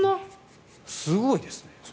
すごいですね。